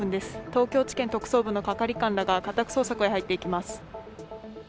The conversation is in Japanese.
東京地検特捜部の係官らが家宅捜索に入っていきます。